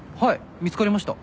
見つかりました。